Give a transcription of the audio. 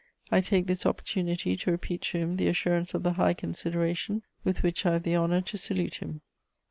I take this opportunity to repeat to him the assurance of the high consideration with which I have the honour to salute him.